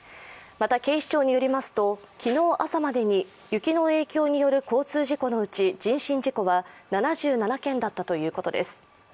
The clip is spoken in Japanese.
また、警視庁によりますと昨日朝までに雪の影響による交通事故のうち人身事故は７７件だったということです。